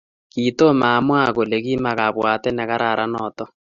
Kittomo amwaee kole kimakabwatet negararan noto